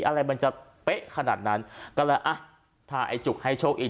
อะไรมันจะเป๊ะขนาดนั้นก็เลยอ่ะถ้าไอ้จุกให้โชคอีก